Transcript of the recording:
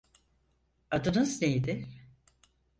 Adınız neydi?